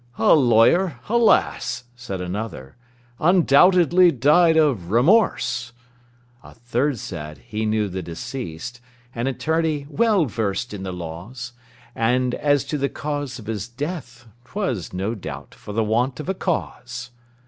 "A lawyer? Alas!" said another, "Undoubtedly died of remorse!" A third said, "He knew the deceased, An attorney well versed in the laws, And as to the cause of his death, 'Twas no doubt for the want of a cause."